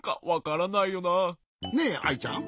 ねえアイちゃん。